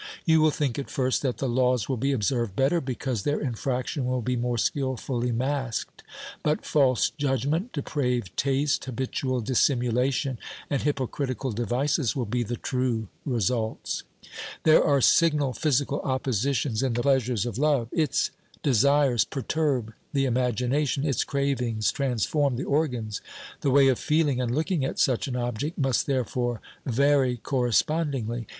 You will think at first that the laws will be observed better because their infraction will be more skilfully masked, but false judgment, depraved taste, habitual dissimulation and hypocritical devices will be the true results, There are signal physical oppositions in the pleasures of love ; its desires perturb the imagination, its cravings trans form the organs ; the way of feeling and looking at such an object must therefore vary correspondingly.